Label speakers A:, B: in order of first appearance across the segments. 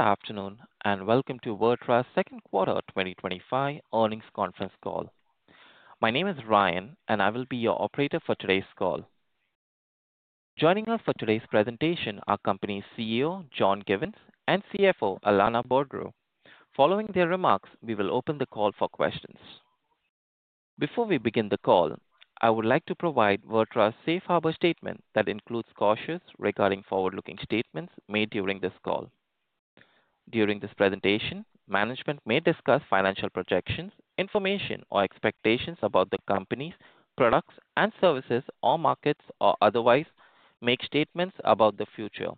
A: Afternoon and welcome to VirTra's second quarter 2025 earnings conference call. My name is Ryan, and I will be your operator for today's call. Joining us for today's presentation are company CEO John Givens and CFO Alanna Boudreau. Following their remarks, we will open the call for questions. Before we begin the call, I would like to provide VirTra's safe harbor statement that includes cautions regarding forward-looking statements made during this call. During this presentation, management may discuss financial projections, information, or expectations about the company's products and services or markets, or otherwise make statements about the future,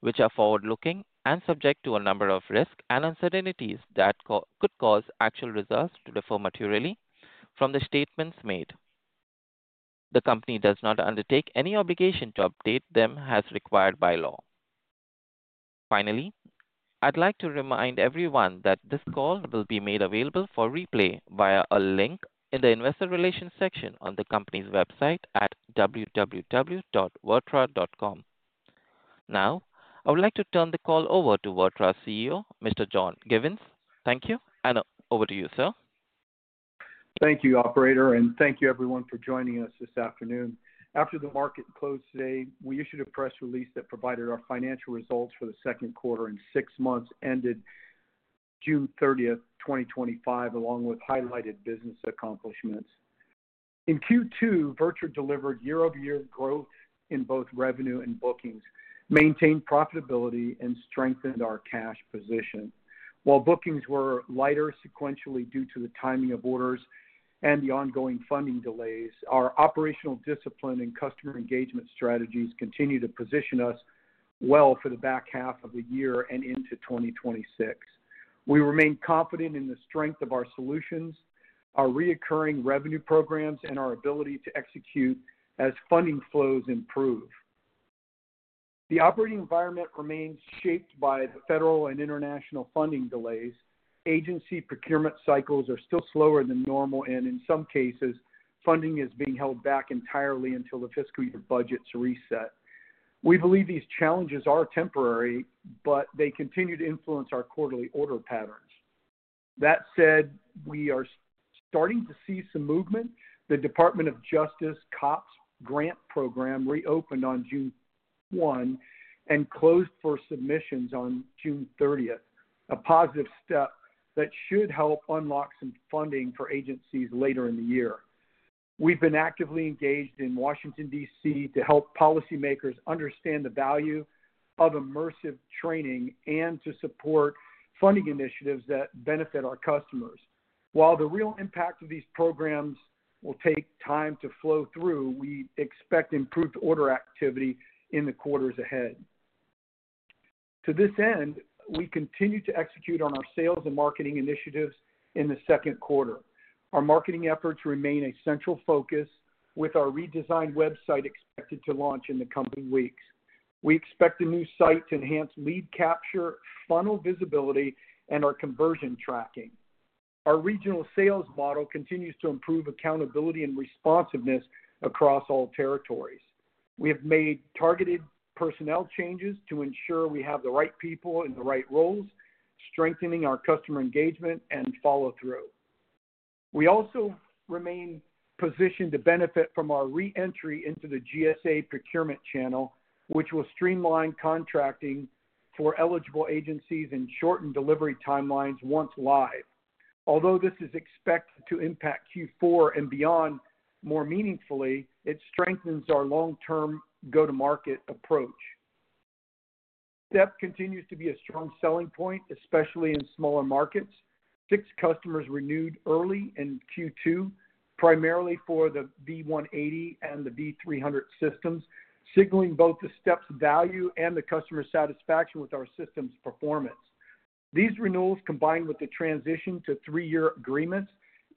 A: which are forward-looking and subject to a number of risks and uncertainties that could cause actual results to differ materially from the statements made. The company does not undertake any obligation to update them as required by law. Finally, I'd like to remind everyone that this call will be made available for replay via a link in the investor relations section on the company's website at www.virtra.com. Now, I would like to turn the call over to VirTra's CEO, Mr. John Givens. Thank you, and over to you, sir.
B: Thank you, operator, and thank you everyone for joining us this afternoon. After the market closed today, we issued a press release that provided our financial results for the second quarter and six months ended June 30, 2025, along with highlighted business accomplishments. In Q2, VirTra delivered year-over-year growth in both revenue and bookings, maintained profitability, and strengthened our cash position. While bookings were lighter sequentially due to the timing of orders and the ongoing funding delays, our operational discipline and customer engagement strategies continue to position us well for the back half of the year and into 2026. We remain confident in the strength of our solutions, our recurring revenue programs, and our ability to execute as funding flows improve. The operating environment remains shaped by the federal and international funding delays. Agency procurement cycles are still slower than normal, and in some cases, funding is being held back entirely until the fiscal year budgets reset. We believe these challenges are temporary, but they continue to influence our quarterly order patterns. That said, we are starting to see some movement. The Department of Justice COPS grant program reopened on June 1 and closed for submissions on June 30th, a positive step that should help unlock some funding for agencies later in the year. We've been actively engaged in Washington, D.C., to help policymakers understand the value of immersive training and to support funding initiatives that benefit our customers. While the real impact of these programs will take time to flow through, we expect improved order activity in the quarters ahead. To this end, we continue to execute on our sales and marketing initiatives in the second quarter. Our marketing efforts remain a central focus, with our redesigned website expected to launch in the coming weeks. We expect the new site to enhance lead capture, funnel visibility, and our conversion tracking. Our regional sales model continues to improve accountability and responsiveness across all territories. We have made targeted personnel changes to ensure we have the right people in the right roles, strengthening our customer engagement and follow-through. We also remain positioned to benefit from our re-entry into the GSA procurement channel, which will streamline contracting for eligible agencies and shorten delivery timelines once live. Although this is expected to impact Q4 and beyond more meaningfully, it strengthens our long-term go-to-market approach. STEP continues to be a strong selling point, especially in smaller markets. Fixed customers renewed early in Q2, primarily for the B180 and the B300 systems, signaling both the STEP's value and the customer satisfaction with our system's performance. These renewals, combined with the transition to three-year agreements,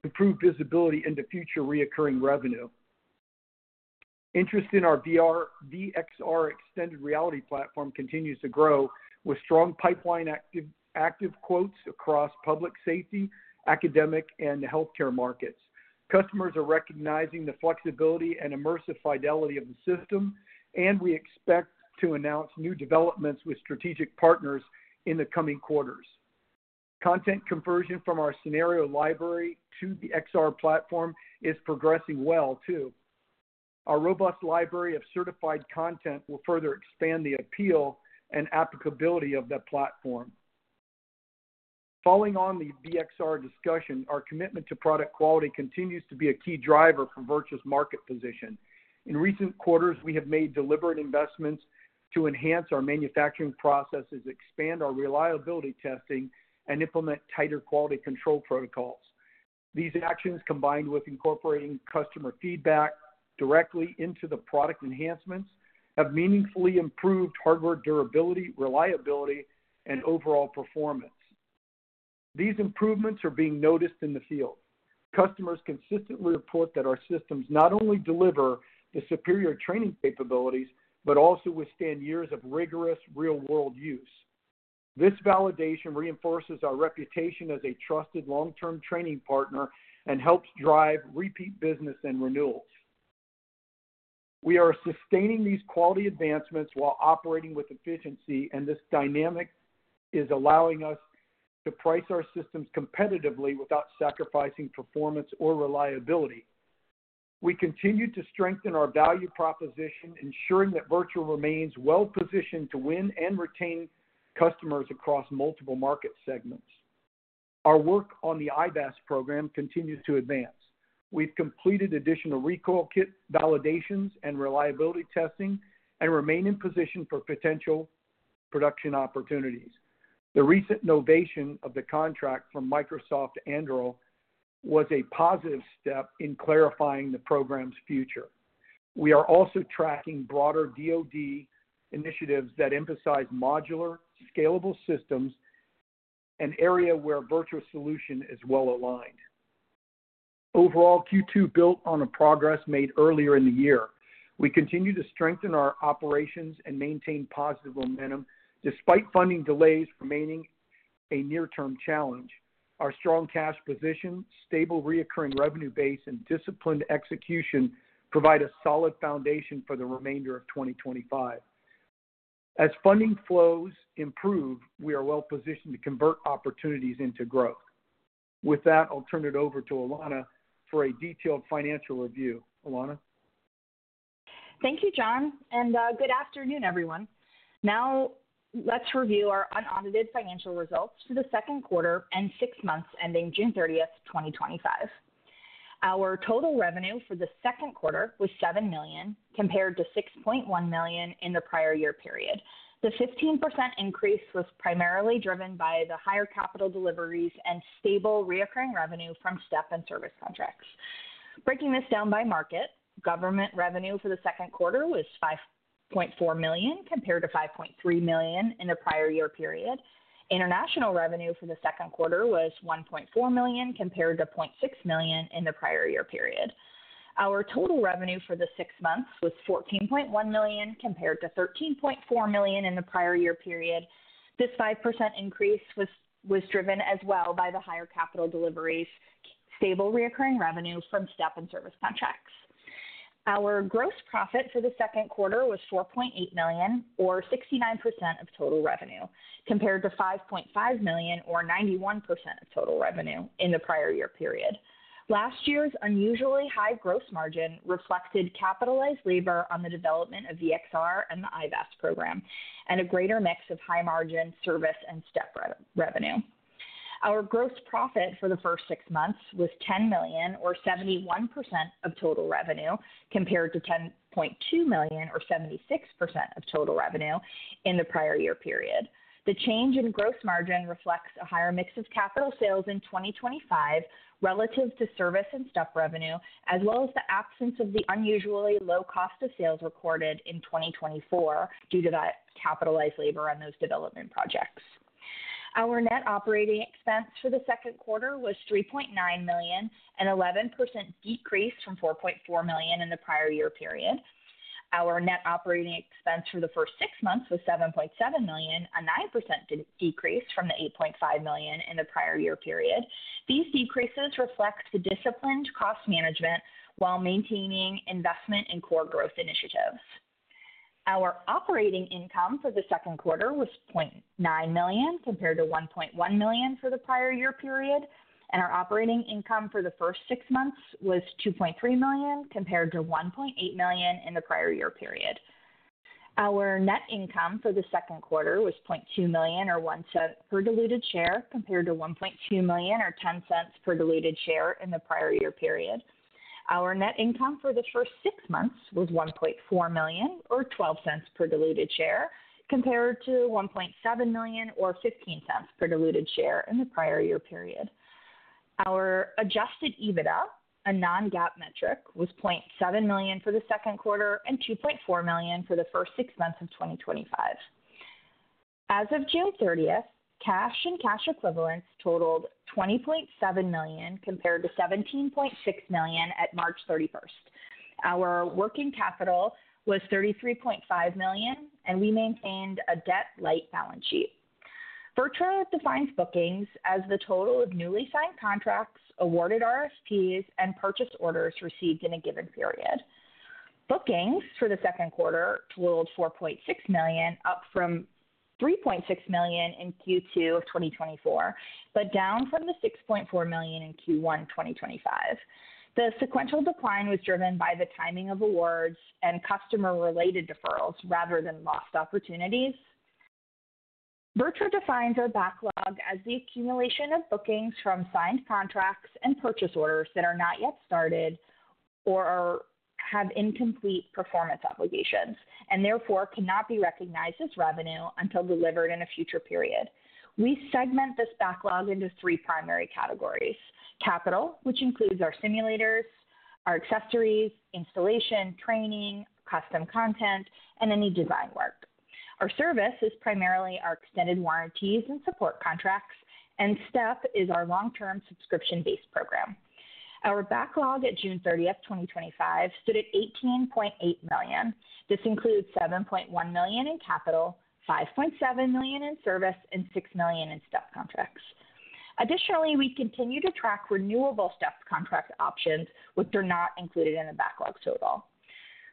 B: improve visibility into future recurring revenue. Interest in our VR/V-XR extended reality platform continues to grow, with strong pipeline active quotes across public safety, academic, and healthcare markets. Customers are recognizing the flexibility and immersive fidelity of the system, and we expect to announce new developments with strategic partners in the coming quarters. Content conversion from our scenario library to the XR platform is progressing well too. Our robust library of certified content will further expand the appeal and applicability of that platform. Following on the V-XR discussion, our commitment to product quality continues to be a key driver for VirTra's market position. In recent quarters, we have made deliberate investments to enhance our manufacturing processes, expand our reliability testing, and implement tighter quality control protocols. These actions, combined with incorporating customer feedback directly into the product enhancements, have meaningfully improved hardware durability, reliability, and overall performance. These improvements are being noticed in the field. Customers consistently report that our systems not only deliver the superior training capabilities but also withstand years of rigorous real-world use. This validation reinforces our reputation as a trusted long-term training partner and helps drive repeat business and renewals. We are sustaining these quality advancements while operating with efficiency, and this dynamic is allowing us to price our systems competitively without sacrificing performance or reliability. We continue to strengthen our value proposition, ensuring that VirTra remains well-positioned to win and retain customers across multiple market segments. Our work on the IBAS program continues to advance. We've completed additional recall kit validations and reliability testing and remain in position for potential production opportunities. The recent novation of the contract from Microsoft to Anduril was a positive step in clarifying the program's future. We are also tracking broader DOD initiatives that emphasize modular, scalable systems, an area where VirTra's solution is well aligned. Overall, Q2 built on progress made earlier in the year. We continue to strengthen our operations and maintain positive momentum despite funding delays remaining a near-term challenge. Our strong cash position, stable recurring revenue base, and disciplined execution provide a solid foundation for the remainder of 2025. As funding flows improve, we are well-positioned to convert opportunities into growth. With that, I'll turn it over to Alanna for a detailed financial review. Alanna?
C: Thank you, John, and good afternoon, everyone. Now, let's review our unaudited financial results for the second quarter and six months ending June 30th, 2025. Our total revenue for the second quarter was $7 million, compared to $6.1 million in the prior year period. The 15% increase was primarily driven by the higher capital deliveries and stable recurring revenue from STEP and service contracts. Breaking this down by market, government revenue for the second quarter was $5.4 million, compared to $5.3 million in the prior year period. International revenue for the second quarter was $1.4 million, compared to $0.6 million in the prior year period. Our total revenue for the six months was $14.1 million, compared to $13.4 million in the prior year period. This 5% increase was driven as well by the higher capital deliveries, stable recurring revenue from STEP and service contracts. Our gross profit for the second quarter was $4.8 million, or 69% of total revenue, compared to $5.5 million, or 91% of total revenue in the prior year period. Last year's unusually high gross margin reflected capitalized labor on the development of the V-XR platform and the IBAS program and a greater mix of high margin service and STEP revenue. Our gross profit for the first six months was $10 million, or 71% of total revenue, compared to $10.2 million, or 76% of total revenue in the prior year period. The change in gross margin reflects a higher mix of capital sales in 2025 relative to service and STEP revenue, as well as the absence of the unusually low cost of sales recorded in 2024 due to that capitalized labor on those development projects. Our net operating expense for the second quarter was $3.9 million, an 11% decrease from $4.4 million in the prior year period. Our net operating expense for the first six months was $7.7 million, a 9% decrease from the $8.5 million in the prior year period. These decreases reflect the disciplined cost management while maintaining investment in core growth initiatives. Our operating income for the second quarter was $0.9 million, compared to $1.1 million for the prior year period, and our operating income for the first six months was $2.3 million, compared to $1.8 million in the prior year period. Our net income for the second quarter was $0.2 million, or $0.01 per diluted share, compared to $1.2 million, or $0.10 per diluted share in the prior year period. Our net income for the first six months was $1.4 million, or $0.12 per diluted share, compared to $1.7 million, or $0.15 per diluted share in the prior year period. Our adjusted EBITDA, a non-GAAP metric, was $0.7 million for the second quarter and $2.4 million for the first six months of 2025. As of June 30th, cash and cash equivalents totaled $20.7 million, compared to $17.6 million at March 31st. Our working capital was $33.5 million, and we maintained a debt-light balance sheet. VirTra defines bookings as the total of newly signed contracts, awarded RFPs, and purchase orders received in a given period. Bookings for the second quarter totaled $4.6 million, up from $3.6 million in Q2 of 2024, but down from the $6.4 million in Q1 2025. The sequential decline was driven by the timing of awards and customer-related deferrals rather than lost opportunities. VirTra defines our backlog as the accumulation of bookings from signed contracts and purchase orders that are not yet started or have incomplete performance obligations and therefore cannot be recognized as revenue until delivered in a future period. We segment this backlog into three primary categories – capital, which includes our simulators, our accessories, installation, training, custom content, and any design work. Our service is primarily our extended warranties and support contracts, and STEP is our long-term subscription-based program. Our backlog at June 30th, 2025 stood at $18.8 million. This includes $7.1 million in capital, $5.7 million in service, and $6 million in STEP contracts. Additionally, we continue to track renewable STEP contract options, which are not included in the backlog total.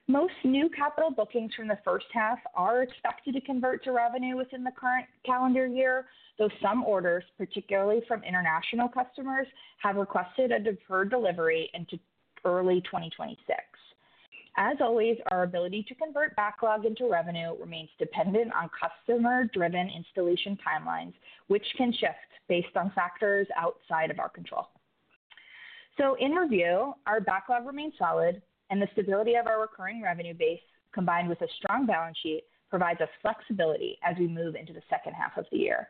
C: Most new capital bookings from the first half are expected to convert to revenue within the current calendar year, though some orders, particularly from international customers, have requested a deferred delivery into early 2026. Our ability to convert backlog into revenue remains dependent on customer-driven installation timelines, which can shift based on factors outside of our control. In review, our backlog remains solid, and the stability of our recurring revenue base, combined with a strong balance sheet, provides us flexibility as we move into the second half of the year.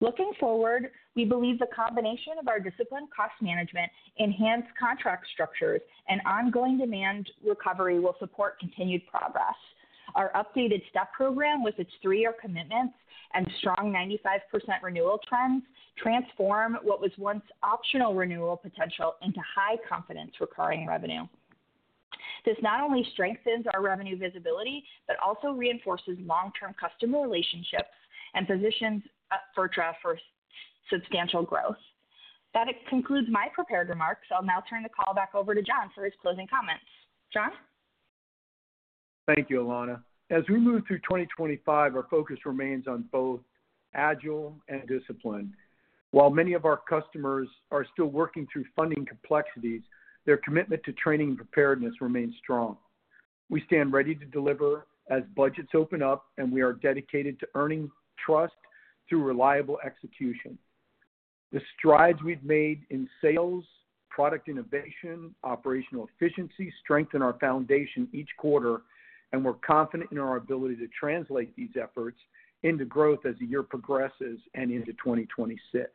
C: Looking forward, we believe the combination of our disciplined cost management, enhanced contract structures, and ongoing demand recovery will support continued progress. Our updated STEP program, with its three-year commitments and strong 95% renewal trends, transform what was once optional renewal potential into high-confidence recurring revenue. This not only strengthens our revenue visibility but also reinforces long-term customer relationships and positions VirTra for substantial growth. That concludes my prepared remarks. I'll now turn the call back over to John for his closing comments. John?
B: Thank you, Alanna. As we move through 2025, our focus remains on both agile and discipline. While many of our customers are still working through funding complexities, their commitment to training and preparedness remains strong. We stand ready to deliver as budgets open up, and we are dedicated to earning trust through reliable execution. The strides we've made in sales, product innovation, and operational efficiency strengthen our foundation each quarter, and we're confident in our ability to translate these efforts into growth as the year progresses and into 2026.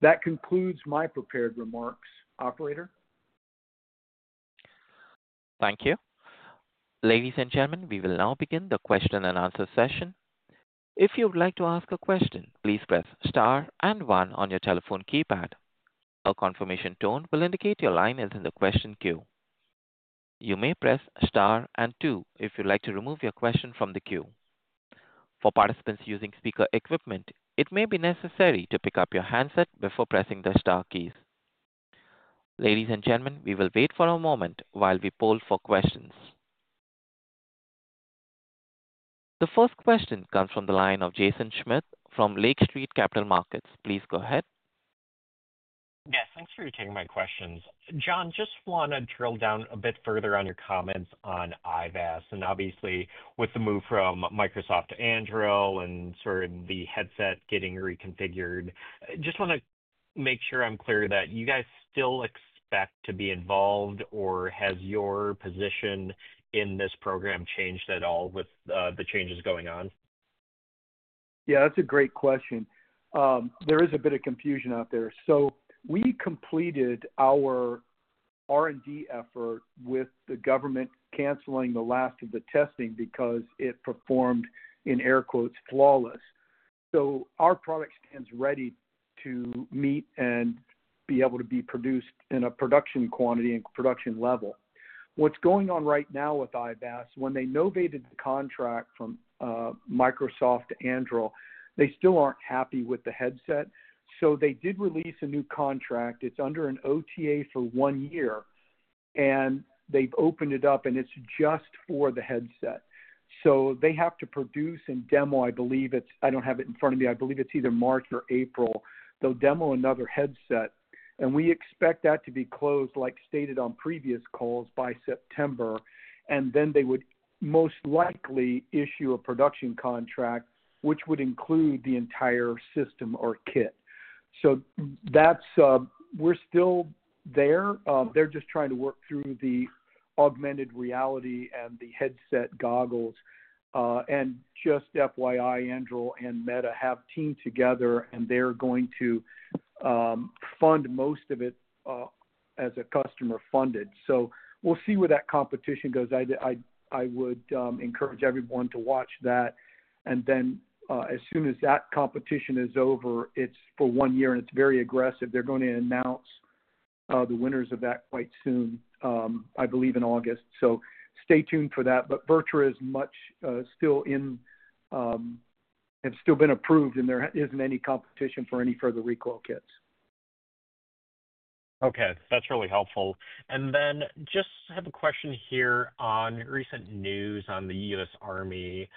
B: That concludes my prepared remarks, operator.
A: Thank you. Ladies and gentlemen, we will now begin the question and answer session. If you would like to ask a question, please press star and one on your telephone keypad. A confirmation tone will indicate your line is in the question queue. You may press star and two if you'd like to remove your question from the queue. For participants using speaker equipment, it may be necessary to pick up your handset before pressing the star keys. Ladies and gentlemen, we will wait for a moment while we poll for questions. The first question comes from the line of Jaeson Schmidt from Lake Street Capital Markets. Please go ahead.
D: Yes, thanks for taking my questions. John, just want to drill down a bit further on your comments on IBAS. Obviously, with the move from Microsoft to Anduril and sort of the headset getting reconfigured, I just want to make sure I'm clear that you guys still expect to be involved, or has your position in this program changed at all with the changes going on?
B: Yeah, that's a great question. There is a bit of confusion out there. We completed our R&D effort with the government canceling the last of the testing because it performed, in air quotes, "flawless." Our product stands ready to meet and be able to be produced in a production quantity and production level. What's going on right now with IBAS, when they novated the contract from Microsoft to Anduril, they still aren't happy with the headset. They did release a new contract. It's under an OTA for one year, and they've opened it up, and it's just for the headset. They have to produce and demo, I believe it's, I don't have it in front of me, I believe it's either March or April, they'll demo another headset. We expect that to be closed, like stated on previous calls, by September. They would most likely issue a production contract, which would include the entire system or kit. We're still there. They're just trying to work through the augmented reality and the headset goggles. Just FYI, Anduril and Meta have teamed together, and they're going to fund most of it as a customer-funded. We'll see where that competition goes. I would encourage everyone to watch that. As soon as that competition is over, it's for one year, and it's very aggressive. They're going to announce the winners of that quite soon, I believe in August. Stay tuned for that. VirTra is much still in, have still been approved, and there isn't any competition for any further recall kits.
D: Okay, that's really helpful. I just have a question here on recent news on the U.S. Army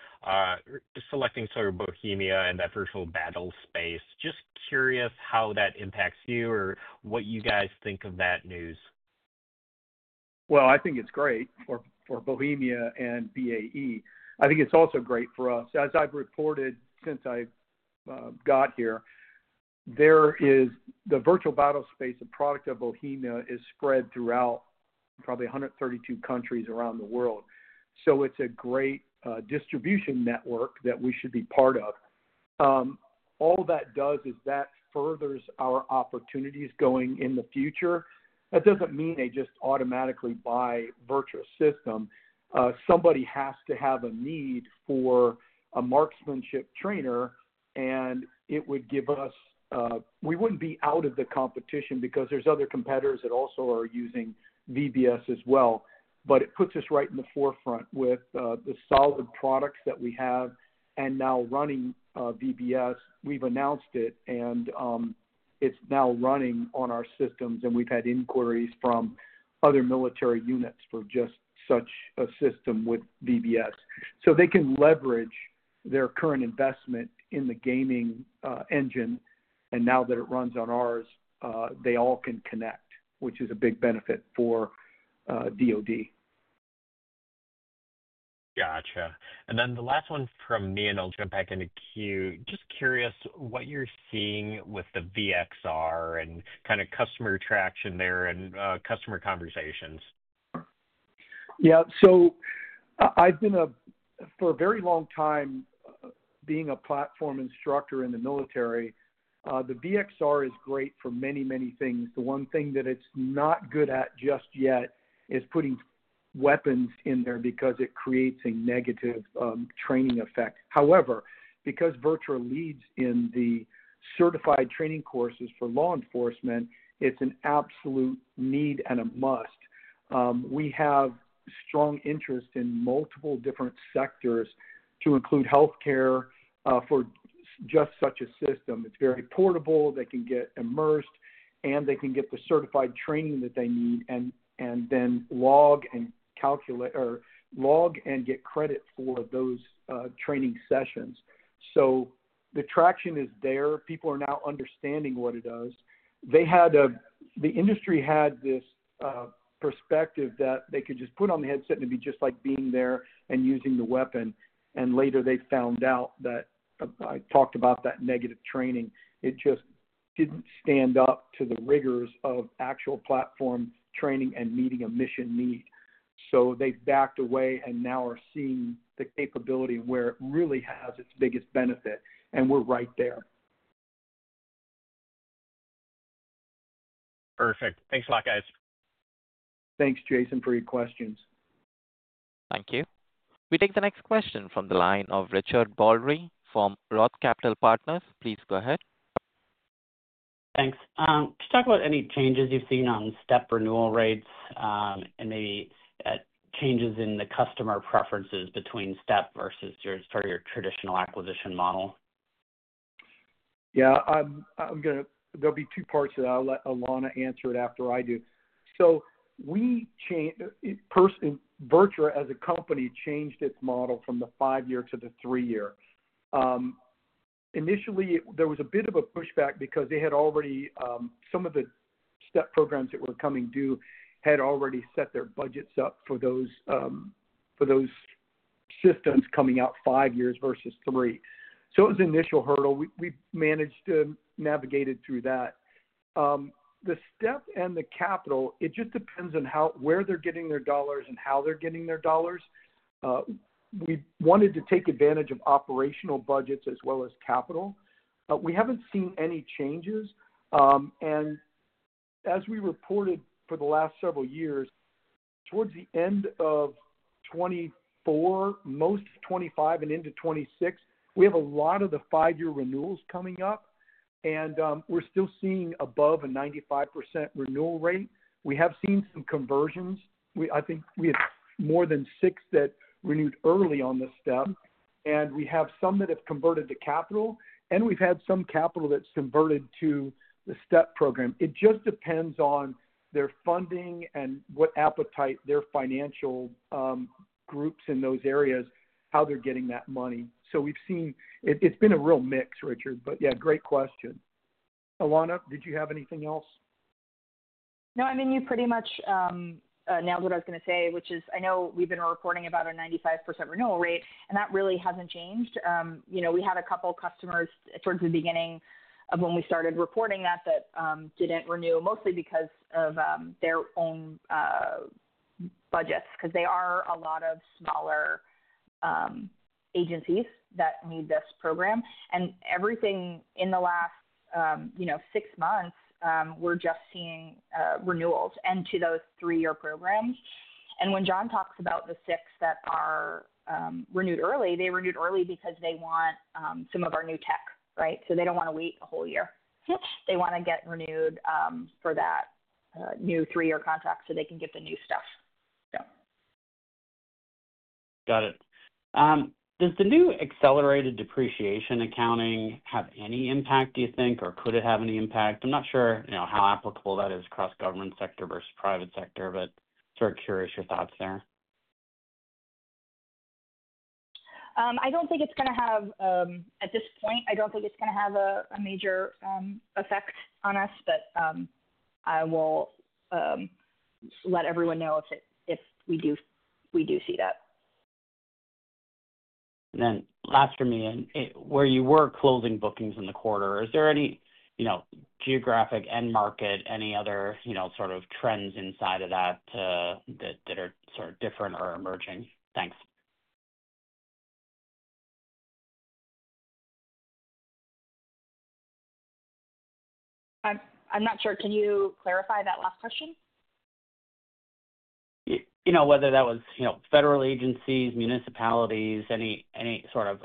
D: selecting sort of Bohemia and that Virtual Battlespace. Just curious how that impacts you or what you guys think of that news.
B: I think it's great for Bohemia and BAE. I think it's also great for us. As I've reported since I got here, the Virtual Battlespace, a product of Bohemia, is spread throughout probably 132 countries around the world. It's a great distribution network that we should be part of. All that does is further our opportunities going in the future. That doesn't mean they just automatically buy VirTra's system. Somebody has to have a need for a marksmanship trainer, and it would give us, we wouldn't be out of the competition because there are other competitors that also are using VBS as well. It puts us right in the forefront with the solid products that we have and now running VBS. We've announced it, and it's now running on our systems, and we've had inquiries from other military units for just such a system with VBS. They can leverage their current investment in the gaming engine, and now that it runs on ours, they all can connect, which is a big benefit for the DOD.
D: Gotcha. The last one from me, I'll jump back into queue. Just curious what you're seeing with the V-XR and kind of customer traction there and customer conversations.
B: I've been, for a very long time, a platform instructor in the military. The V-XR platform is great for many, many things. The one thing that it's not good at just yet is putting weapons in there because it creates a negative training effect. However, because VirTra leads in the certified training courses for law enforcement, it's an absolute need and a must. We have strong interest in multiple different sectors to include healthcare for just such a system. It's very portable. They can get immersed, and they can get the certified training that they need and then log and calculate or log and get credit for those training sessions. The traction is there. People are now understanding what it does. The industry had this perspective that they could just put on the headset and it'd be just like being there and using the weapon. Later they found out that I talked about that negative training. It just didn't stand up to the rigors of actual platform training and meeting a mission need. They've backed away and now are seeing the capability where it really has its biggest benefit, and we're right there.
D: Perfect. Thanks a lot, guys.
B: Thanks, Jaeson, for your questions.
A: Thank you. We take the next question from the line of Richard Baldry from ROTH Capital Partners. Please go ahead.
E: Thanks. Could you talk about any changes you've seen on STEP renewal rates and maybe changes in the customer preferences between STEP versus your sort of your traditional acquisition model?
B: Yeah, I'm going to, there'll be two parts of that. I'll let Alanna answer it after I do. We changed, VirTra as a company changed its model from the five-year to the three-year. Initially, there was a bit of a pushback because they had already, some of the STEP programs that were coming due had already set their budgets up for those systems coming out five years versus three. It was an initial hurdle. We managed to navigate it through that. The STEP and the capital, it just depends on where they're getting their dollars and how they're getting their dollars. We wanted to take advantage of operational budgets as well as capital. We haven't seen any changes. As we reported for the last several years, towards the end of 2024, most of 2025 and into 2026, we have a lot of the five-year renewals coming up, and we're still seeing above a 95% renewal rate. We have seen some conversions. I think we have more than six that renewed early on the STEP, and we have some that have converted to capital, and we've had some capital that's converted to the STEP program. It just depends on their funding and what appetite their financial groups in those areas, how they're getting that money. We've seen, it's been a real mix, Richard, but yeah, great question. Alanna, did you have anything else?
C: No, I mean, you pretty much nailed what I was going to say, which is I know we've been reporting about a 95% renewal rate, and that really hasn't changed. We had a couple of customers towards the beginning of when we started reporting that that didn't renew, mostly because of their own budgets, because they are a lot of smaller agencies that need this program. Everything in the last, you know, six months, we're just seeing renewals into those three-year programs. When John talks about the six that are renewed early, they renewed early because they want some of our new tech, right? They don't want to wait a whole year. They want to get renewed for that new three-year contract so they can get the new stuff.
E: Got it. Does the new accelerated depreciation accounting have any impact, do you think, or could it have any impact? I'm not sure how applicable that is across government sector versus private sector, but sort of curious your thoughts there.
C: I don't think it's going to have, at this point, I don't think it's going to have a major effect on us, but I will let everyone know if we do see that.
E: Where you were closing bookings in the quarter, is there any geographic end market, any other trends inside of that that are different or emerging? Thanks.
C: I'm not sure. Can you clarify that last question?
E: Whether that was federal agencies, municipalities, any sort of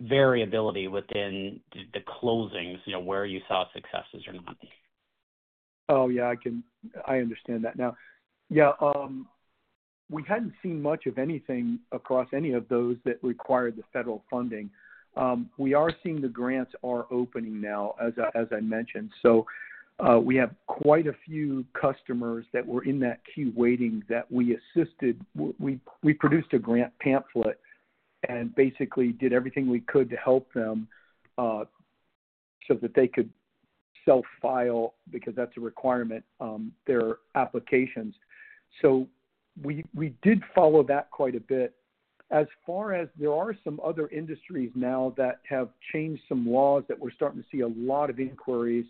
E: variability within the closings, where you saw successes or not.
B: I understand that. We hadn't seen much of anything across any of those that required the federal funding. We are seeing the grants are opening now, as I mentioned. We have quite a few customers that were in that queue waiting that we assisted. We produced a grant pamphlet and basically did everything we could to help them so that they could self-file because that's a requirement, their applications. We did follow that quite a bit. As far as there are some other industries now that have changed some laws that we're starting to see a lot of inquiries.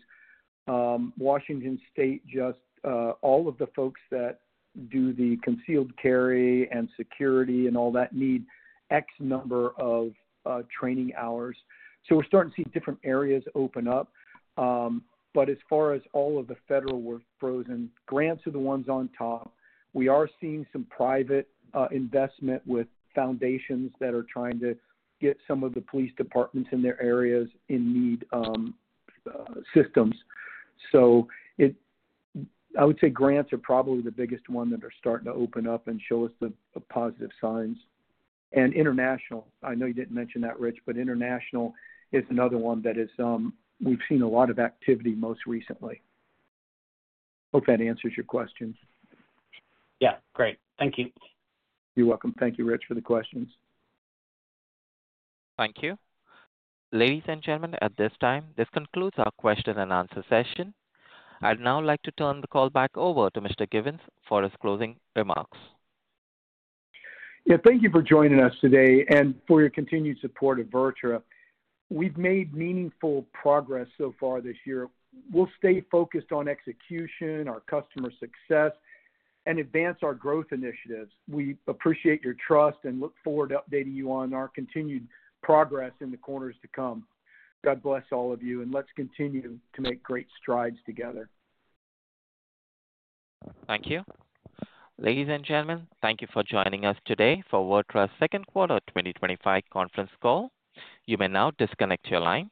B: Washington State, just all of the folks that do the concealed carry and security and all that need X number of training hours. We're starting to see different areas open up. As far as all of the federal were frozen, grants are the ones on top. We are seeing some private investment with foundations that are trying to get some of the police departments in their areas in need of systems. I would say grants are probably the biggest one that are starting to open up and show us the positive signs. International, I know you didn't mention that, Rich, but international is another one that is, we've seen a lot of activity most recently. Hope that answers your questions.
E: Yeah, great. Thank you.
B: You're welcome. Thank you, Rich, for the questions.
A: Thank you. Ladies and gentlemen, at this time, this concludes our question and answer session. I'd now like to turn the call back over to Mr. Givens for his closing remarks.
B: Thank you for joining us today and for your continued support at VirTra. We've made meaningful progress so far this year. We'll stay focused on execution, our customer success, and advance our growth initiatives. We appreciate your trust and look forward to updating you on our continued progress in the quarters to come. God bless all of you, and let's continue to make great strides together.
A: Thank you. Ladies and gentlemen, thank you for joining us today for VirTra's Second Quarter 2025 Conference Call. You may now disconnect your lines.